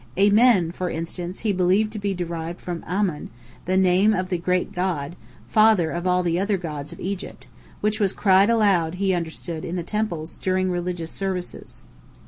"Amen," for instance, he believed to be derived from "Amon," the name of the great god, father of all the other gods of Egypt, which was cried aloud, he understood, in the temples, during religious services.